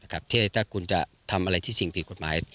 ที่ถ้าคุณจะทำอะไรที่สิ่งผิดกฎหมาย